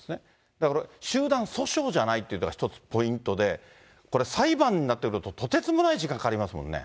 だから集団訴訟じゃないっていうとこが一つポイントで、これ、裁判になってくると、とてつもない時間かかりますもんね。